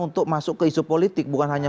untuk masuk ke isu politik bukan hanya